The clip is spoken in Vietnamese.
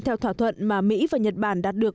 theo thỏa thuận mà mỹ và nhật bản đạt được